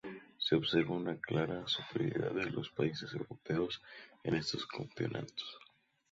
Se observa una clara superioridad de los países europeos en estos campeonatos.